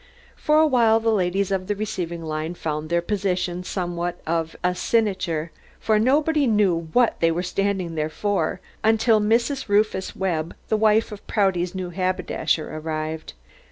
For a while the ladies of the receiving line found their position somewhat of a sinecure, for nobody knew what they were standing there for until Mrs. Rufus Webb, the wife of Prouty's new haberdasher, arrived.